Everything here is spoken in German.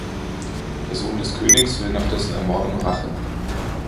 Der Sohn des Königs will nach dessen Ermordung Rache.